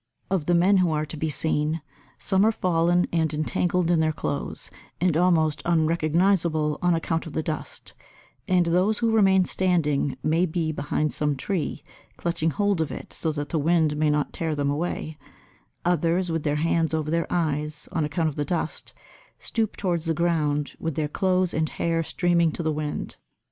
Of the men who are to be seen, some are fallen and entangled in their clothes and almost unrecognizable on account of the dust, and those who remain standing may be behind some tree, clutching hold of it so that the wind may not tear them away; others, with their hands over their eyes on account of the dust, stoop towards the ground, with their clothes and hair streaming to the wind.